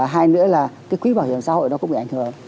hay nữa là cái quy bảo hiểm xã hội nó cũng bị ảnh hưởng